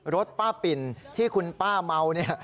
รถป้าปิ่นที่คุณป้าเมาเนี่ย